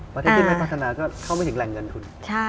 ประเทศที่ไม่พัฒนาก็เข้าไม่ถึงแหล่งเงินทุน